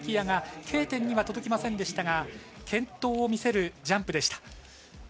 椰がＫ点には届きませんでしたが健闘を見せるジャンプでした。